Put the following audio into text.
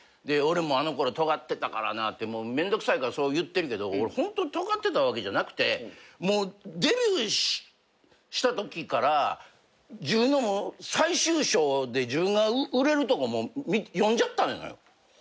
で俺もあのころとがってたからなってもうめんどくさいからそう言ってるけど俺ホントにとがってたわけじゃなくてもうデビューしたときから自分の最終章で自分が売れるとこも読んじゃったのよ。